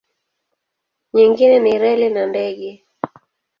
Nyingine ni reli na ndege.